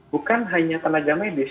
bukan hanya tenaga medis